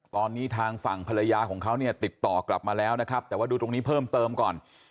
ตอนนี้ทางฝั่งภรรยาของเขาเนี่ยติดต่อกลับมาแล้วนะครับแต่ว่าดูตรงนี้เพิ่มเติมก่อน